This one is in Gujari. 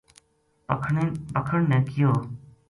پکھن نے کہیو